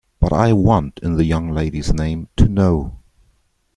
But I want, in the young lady's name, to know.